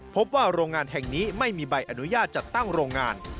พบว่าโรงงานแห่งนี้ไม่มีใบอนุญาตจัดตั้งโรงงาน